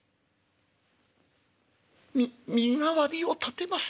み身代わりを立てます。